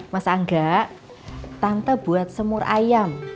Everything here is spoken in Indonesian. mas angga tante buat semur ayam